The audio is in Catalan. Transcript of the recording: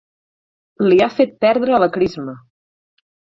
Li ha fet perdre la crisma.